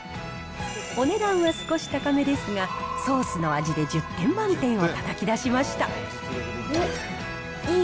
お値段は少し高めですが、ソースの味で１０点満点をたたき出しまおっ、いい。